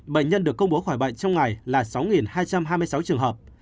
bệnh nhân được công bố khỏi bệnh trong ngày là sáu hai trăm hai mươi sáu trường hợp